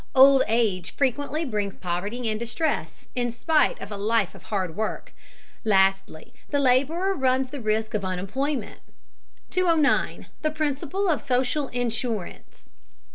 Old age frequently brings poverty and distress, in spite of a life of hard work. Lastly, the laborer runs the risk of unemployment. 209. THE PRINCIPLE OF SOCIAL INSURANCE.